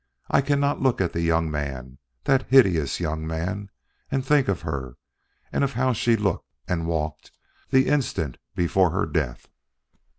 I cannot look at that young man that hideous young man and think of her and of how she looked and walked the instant before her death."